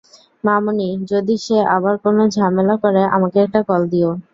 মামনী, যদি সে আবার কোনো ঝামেলা করে, আমাকে একটা কল দিও।